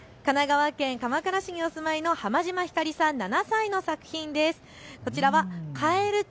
神奈川県鎌倉市にお住まいのはまじまひかりさん、７歳の作品です。